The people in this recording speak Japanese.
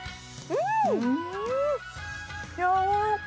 うん！